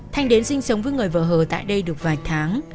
thanh đến sinh sống với người vợ hờ tại đây được vài tháng